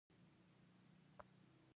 برعکس که وخت زیات شي نو بیه به لوړه وي.